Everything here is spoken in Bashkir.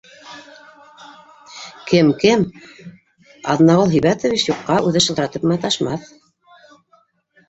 Кем-кем, Аҙнағол Һибәтович юҡҡа үҙе шылтыратып маташмаҫ